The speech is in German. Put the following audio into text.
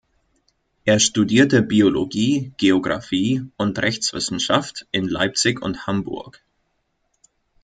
Er studierte Biologie, Geografie und Rechtswissenschaft in Leipzig und Hamburg.